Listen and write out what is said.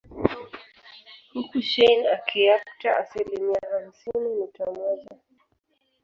Huku shein akiapta asilimia hamsini nukta moja